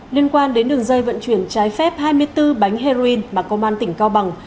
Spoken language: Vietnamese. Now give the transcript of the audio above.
liên quan đến đường dây vận chuyển trái phép hai mươi bốn bánh heroin mà công an tỉnh cao bằng